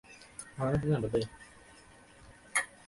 গোটা বাড়িটা খুঁজে দেখার জন্যে আমরা মোট সাত রাত সময় নিলাম।